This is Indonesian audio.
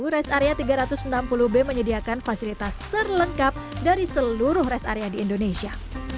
pada awal desember lalu res area tiga ratus enam puluh b menyediakan fasilitas terlengkap dari seluruh res area di indonesia